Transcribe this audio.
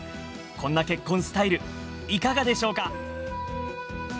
こんな結婚スタイルいかがでしょうか？」。